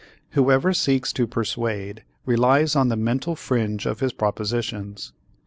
Whoever seeks to persuade relies on the mental fringe of his propositions.